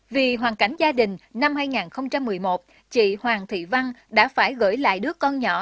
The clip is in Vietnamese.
vì hoàn cảnh gia đình năm hai nghìn một mươi một chị hoàng thị văn đã phải gửi lại đứa con nhỏ